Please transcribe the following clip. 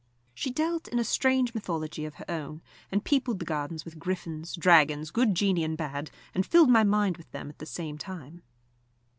She dealt in a strange mythology of her own, and peopled the gardens with griffins, dragons, good genii and bad, and filled my mind with them at the same time.